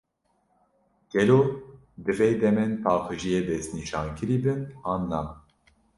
Gelo, divê demên paqijiyê destnîşankirî bin, an na?